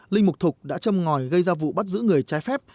linh mục thục đã châm ngòi gây ra vụ bắt giữ người trái phép